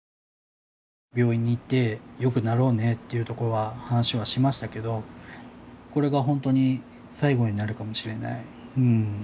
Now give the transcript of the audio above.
病院に行ってよくなろうねっていうところは話しはしましたけどこれがほんとに最後になるかもしれない。